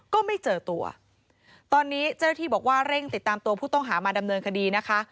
ก็ไม่เจอตัวตอนนี้เจ้าหน้าที่บอกว่าเร่งติดตามตัวผู้ต้องหามาดำเนินคดีนะคะ